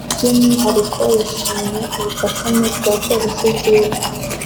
by’umwihariko yashimye ubufatanye bwa Polisi y’igihugu